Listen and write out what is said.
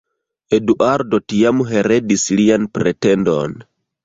Eduardo tiam heredis lian pretendon.